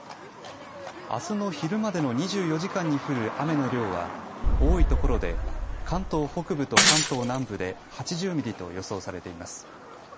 あすの昼までの２４時間に降る雨の量は多いところで関東北部と関東南部で８０ミリと予想されています。